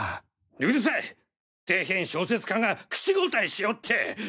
うるさい底辺小説家が口答えしよって！